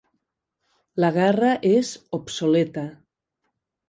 La guerra és obsoleta.